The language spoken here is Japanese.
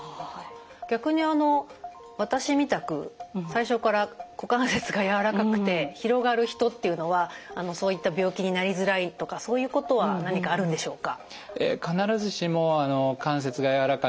逆に私みたく最初から股関節が柔らかくて広がる人っていうのはそういった病気になりづらいとかそういうことは何かあるんでしょうか？